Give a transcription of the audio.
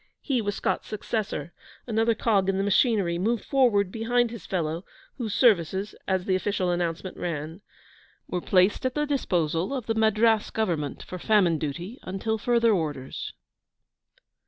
He was Scott's successor another cog in the machinery, moved forward behind his fellow, whose services, as the official announcement ran, 'were placed at the disposal of the Madras Government for famine duty until further orders.'